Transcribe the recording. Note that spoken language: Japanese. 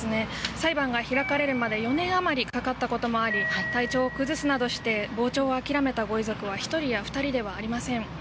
裁判が開かれるまで４年余りかかったこともあり体調を崩すなどして傍聴を諦めたご遺族は１人や２人ではありません。